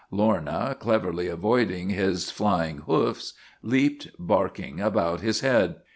Lorna, cleverly avoiding his flying hoofs, leaped, barking, about his head.